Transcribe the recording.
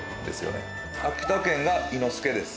秋田犬が猪之助です。